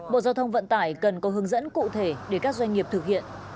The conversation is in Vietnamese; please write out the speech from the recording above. bộ giao thông vận tải cần có hướng dẫn cụ thể để các doanh nghiệp thực hiện